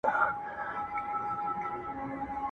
گراني خبري سوې پرې نه پوهېږم.